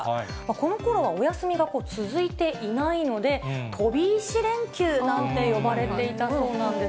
このころはお休みが続いていないので、飛び石連休なんて呼ばれていたそうなんです。